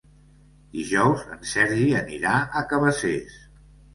Dijous en Sergi anirà a Cabacés.